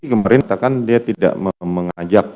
diperintahkan dia tidak mengajak